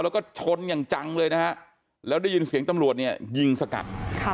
แล้วก็ชนอย่างจังเลยนะฮะแล้วได้ยินเสียงตำรวจเนี่ยยิงสกัด